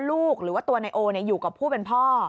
ลูกหรือว่าตัวไนโอเนี่ยอยู่กับผู้เป็นพ่อ